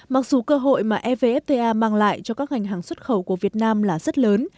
mặc dù cơ hội mà evfta mang lại cho các ngành hàng xuất khẩu của việt nam là rất lớn